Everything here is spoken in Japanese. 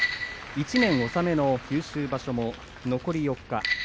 １年納めの九州場所も残り４日。